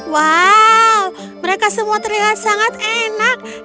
wow mereka semua terlihat sangat enak